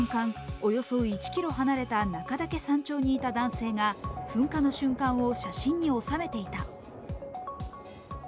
およそ１ｋｍ離れた中岳山頂にいた男性が噴火の瞬間を写真に収めていた。